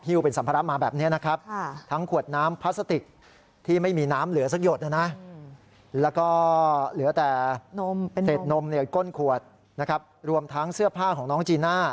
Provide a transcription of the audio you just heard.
แล้วก็เหลือแต่เศษนมในก้นขวดรวมทั้งเสื้อผ้าของน้องจีน่า